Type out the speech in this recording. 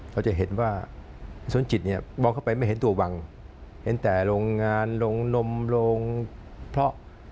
เราจะเห็นว่าสวนจิตเนี่ยมองเข้าไปไม่เห็นตัววังเห็นแต่โรงงานโรงนมโรงเพราะ